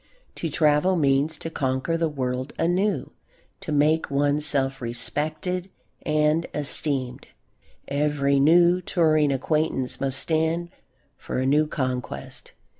To travel means to conquer the world anew, to make oneself respected and esteemed. Every new touring acquaintance must stand for a new conquest.